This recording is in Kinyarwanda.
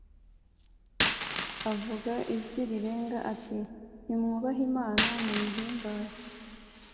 Avuga ijwi rirenga ati “Nimwubahe Imana muyihimbaze,